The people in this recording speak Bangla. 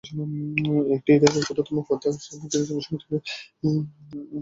এটি ইরাকের ক্ষুদ্রতম প্রদেশ, কিন্তু জনসংখ্যার দিক থেকে এটি প্রদেশগুলির মধ্যে প্রথম।